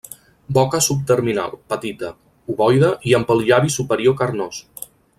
Boca subterminal, petita, ovoide i amb el llavi superior carnós.